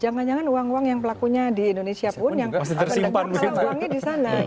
jangan jangan uang uang yang pelakunya di indonesia pun yang mendapatkan uangnya di sana